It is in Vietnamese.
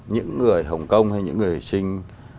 những người hồng kông hay những người hải sinh